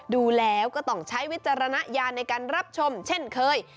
ดูแล้วก็ต้องใช้วิจารณญาณในการรับชมเช่นเคย